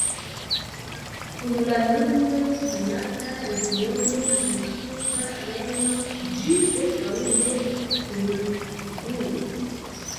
Kun la nun konata regiono Malsupra Rejno ĝi preskaŭ ne kongruis.